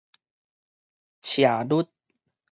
斜率